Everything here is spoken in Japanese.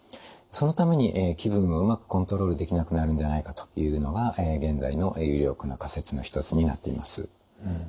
そのために気分をうまくコントロールできなくなるんじゃないかというのが現在の有力な仮説の一つになっています。